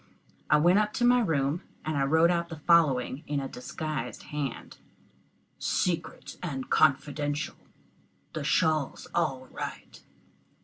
I went up to my room, and wrote out the following in a disguised hand: "Secrit and konfidenshal the shawl's all right."